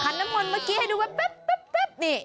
น้ำมนต์เมื่อกี้ให้ดูแว๊บนี่